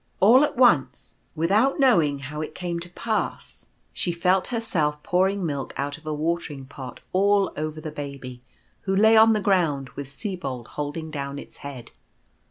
All at once, without knowing how it cam * to pass, 180 The Tiger. she felt herself pouring milk out of a watering pot all over the Baby, who lay on the ground, with Sibold hold ing down its head.